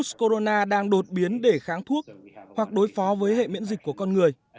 một số biến chủng virus corona đang đột biến để kháng thuốc hoặc đối phó với hệ miễn dịch của con người